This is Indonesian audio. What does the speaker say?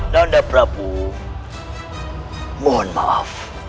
nanda prabu mohon maaf